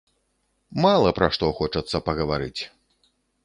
Мала пра што хочацца пагаварыць!